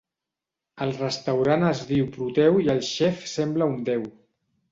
El restaurant es diu Proteu i el xef sembla un déu.